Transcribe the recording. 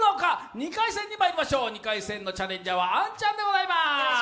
２回戦にまいりましょう、２回戦のチャレンジャーは杏ちゃんでございます。